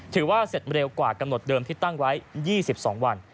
ถือว่าเสร็จเร็วกว่ากำหนดเดิมที่ตั้งไว้๒๒วัน